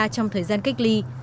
trong thời gian cách ly